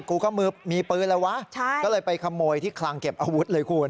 กูก็มีปืนแล้ววะก็เลยไปขโมยที่คลังเก็บอาวุธเลยคุณ